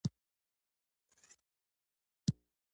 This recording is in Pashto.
په کتاب کې په ځينو روانپوهنیزو مشورو هم ګټورې خبرې شته.